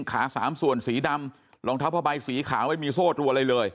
ขาสามส่วนสีดำรองเท้าพอไปสีขาไม่มีโซ่ตรวนอะไรเลย